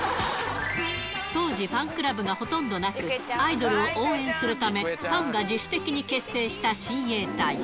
当時、ファンクラブがほとんどなく、アイドルを応援するため、ファンが自主的に結成した親衛隊。